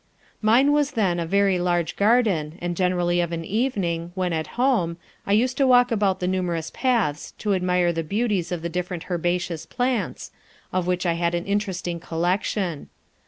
Mine was then a very large garden, and generally of an evening, when at home, I used to walk about the numerous paths to admire the beauties of the different herbaceous plants, of which I had an interesting collection.